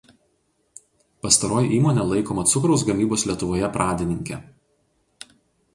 Pastaroji įmonė laikoma cukraus gamybos Lietuvoje pradininke.